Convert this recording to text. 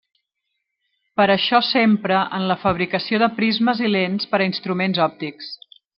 Per això s'empra en la fabricació de prismes i lents per a instruments òptics.